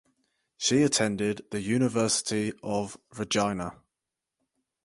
She attended the University of Regina.